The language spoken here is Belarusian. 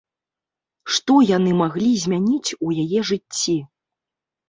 Што яны маглі змяніць у яе жыцці?